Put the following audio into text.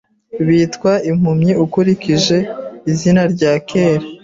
Bitwa impumyi ukurikije izina rya kera